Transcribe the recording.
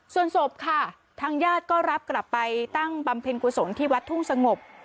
ส่วนศพค่ะทางญาติก็รับกลับไปตั้งบำเพ็ญกุศลที่วัดทุ่งสงบ